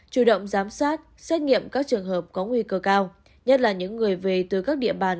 chủ động giám sát xét nghiệm các trường hợp có nguy cơ cao nhất là những người về từ các địa bàn